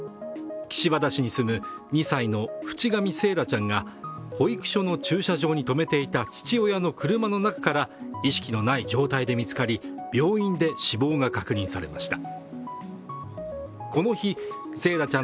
岸和田市に住む２歳の渕上惺愛ちゃんが保育所の駐車場に止めていた父親の車の中から意識のない状態で見つかり、病院で死亡が確認されました。